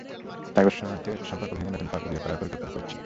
তাই ওর সাথে সম্পর্ক ভেঙে নতুন কাউকে বিয়ে করার পরিকল্পনা করেছি।